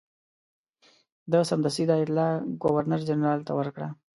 ده سمدستي دا اطلاع ګورنرجنرال ته ورکړه.